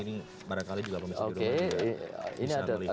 ini barangkali juga bisa di dalam